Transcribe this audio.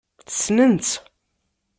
Ssnen-tt.